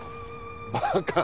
バカ。